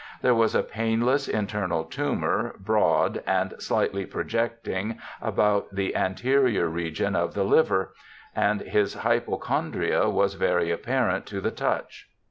There was a painless internal tumour, broad, and slightly projecting, about the an terior region of the liver, and his hypochondria was very apparent to the touch.